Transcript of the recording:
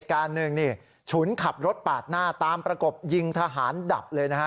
การหนึ่งนี่ฉุนขับรถปาดหน้าตามประกบยิงทหารดับเลยนะฮะ